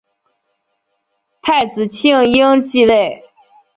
太子庆膺继位。